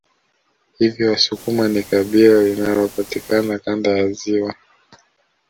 Hivyo wasukuma ni kabila linalopatikana Kanda ya ziwa